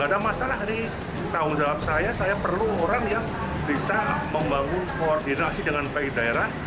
tidak ada masalah nih tanggung jawab saya saya perlu orang yang bisa membangun koordinasi dengan pi daerah